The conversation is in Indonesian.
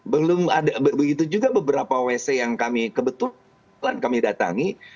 begitu juga beberapa wc yang kami kebetulan kami datangi